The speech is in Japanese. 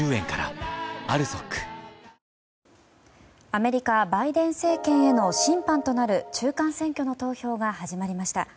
アメリカバイデン政権への審判となる中間選挙の投票が始まりました。